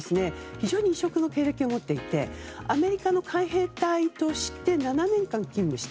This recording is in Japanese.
非常に異色の経歴を持っていてアメリカの海兵隊として７年間勤務した。